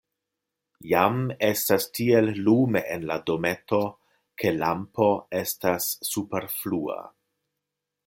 Jam estas tiel lume en la dometo, ke lampo estas superflua.